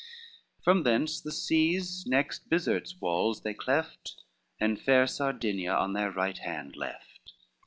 From thence the seas next Bisert's walls they cleft, And far Sardinia on their right hand left.